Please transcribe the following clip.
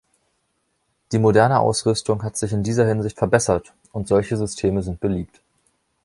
Die moderne Ausrüstung hat sich in dieser Hinsicht verbessert, und solche Systeme sind beliebt.